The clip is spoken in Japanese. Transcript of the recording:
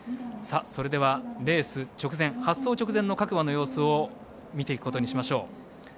それでは、レース直前発走直前の各馬の様子を見ていくことにしましょう。